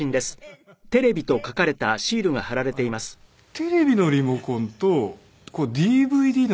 テレビのリモコンとＤＶＤのリモコンとか。